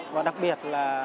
và đặc biệt là